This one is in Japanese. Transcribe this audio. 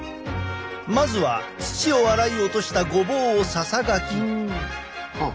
まずは土を洗い落としたごぼうをささがき。